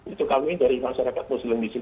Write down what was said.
itu kami dari masyarakat muslim di sini